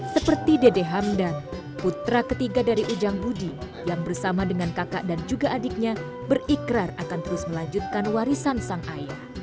seperti dede hamdan putra ketiga dari ujang budi yang bersama dengan kakak dan juga adiknya berikrar akan terus melanjutkan warisan sang ayah